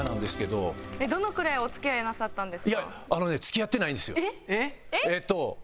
どのくらいお付き合いなさったんですか？